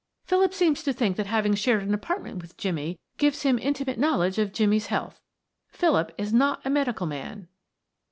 "Philip seems to think that having shared an apartment with Jimmie, gives him intimate knowledge of Jimmie's health. Philip is not a medical man."